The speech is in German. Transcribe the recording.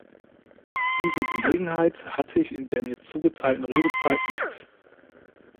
Diese Gelegenheit hatte ich in der mir zugeteilten Redezeit nicht.